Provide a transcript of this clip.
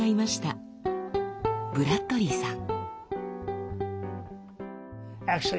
ブラッドリーさん。